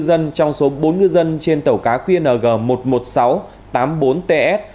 thi thể của một ngư dân trong số bốn ngư dân trên tàu cá qng một mươi một nghìn sáu trăm tám mươi bốn ts